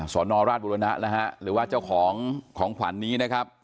สรรราชบุรณะหรือว่าเจ้าของของขวัญนี้๐๖๑๖๕๒๕๖๖๒